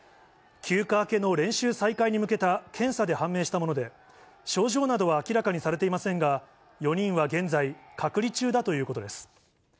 休暇明けの練習再開に向けた検査で判明したもので、症状などは明らかにされていませんが、４人は現在、隔離中だということです。